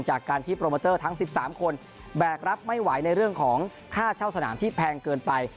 จากการที่โปรโมเตอร์ทั้ง๑๓คนแบกรับไม่ไหวในเรื่องของค่าเช่าสนามที่แพงเกินไป